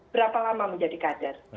berapa lama menjadi kader